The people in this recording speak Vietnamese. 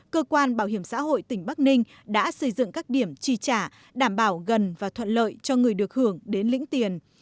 cơ quan bảo hiểm xã hội tỉnh bắc ninh đã xây dựng các điểm chi trả đảm bảo gần và thuận lợi cho người được hưởng đến lĩnh tiền